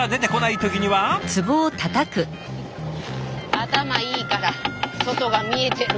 頭いいから外が見えてる。